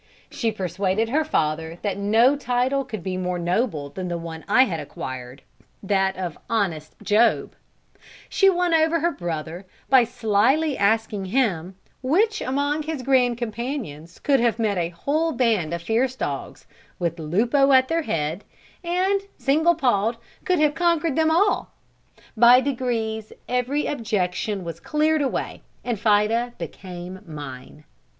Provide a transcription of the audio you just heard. She persuaded her father that no title could be more noble than the one I had acquired, that of "Honest Job;" she won over her brother, by slily asking him, which among his grand companions could have met a whole band of fierce dogs, with Lupo at their head, and, single pawed, could have conquered them all? By degrees, every objection was cleared away, and Fida became mine.